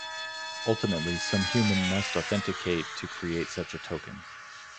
Ultimately, some human must authenticate to create such a token.